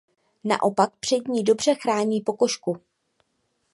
Naopak před ní dobře chrání pokožku.